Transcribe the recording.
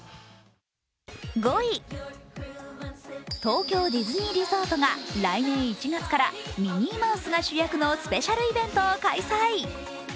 ５位、東京ディズニーリゾートが来年１月からミニーマウスが主役のスペシャルイベントを開催。